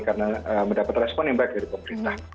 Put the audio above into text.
karena mendapat respon yang baik dari pemerintah